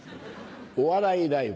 お笑いライブ。